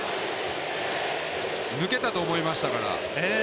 抜けたと思いましたから。